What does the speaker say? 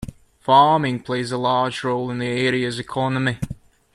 Farming plays a large role in the area's economy.